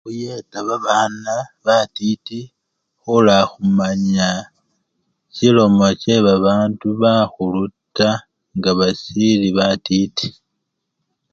Khuyeta babana batiti khulakhumanya chilomo chebabandu bakhulu taa nga basili batiti.